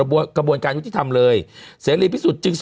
มันติดคุกออกไปออกมาได้สองเดือน